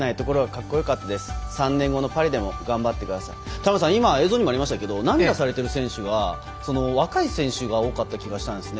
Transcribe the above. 田村さん、今映像にもありましたけど涙されている選手は若い選手が多かった気がするんですね